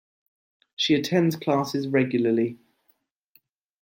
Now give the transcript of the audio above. She attends classes regularly